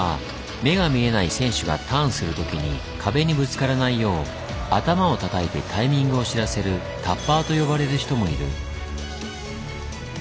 目が見えない選手がターンする時に壁にぶつからないよう頭をたたいてタイミングを知らせるタッパーと呼ばれる人もいる。